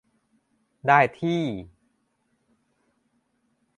ได้ที่